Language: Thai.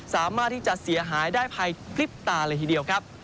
สามารถที่จะเสียหายได้ภายพลิบตาเลยทีเดียวครับ